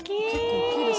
大っきい！